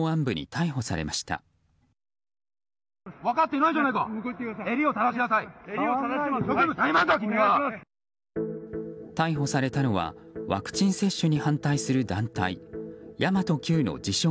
逮捕されたのはワクチン接種に反対する団体神真都Ｑの自称